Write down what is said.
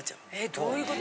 どういうこと？